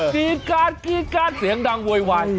กรี๊ดกันกรี๊ดกันเสียงดังววยวาย